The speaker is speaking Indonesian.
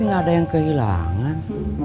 tapi gak ada yang kehilangan